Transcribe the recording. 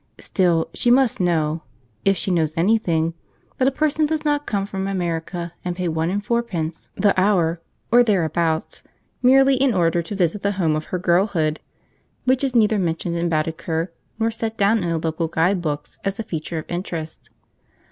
Still, she must know, if she knows anything, that a person does not come from America and pay one and fourpence the hour (or thereabouts) merely in order to visit the home of her girlhood, which is neither mentioned in Baedeker nor set down in the local guide books as a feature of interest.